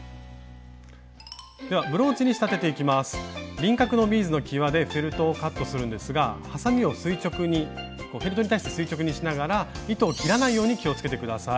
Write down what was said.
輪郭のビーズのきわでフェルトをカットするんですがはさみをフェルトに対して垂直にしながら糸を切らないように気をつけて下さい。